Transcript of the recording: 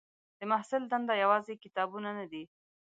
د محصل دنده یوازې کتابونه نه دي.